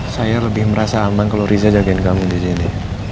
saya lebih merasa aman kalo riza jagain kamu disini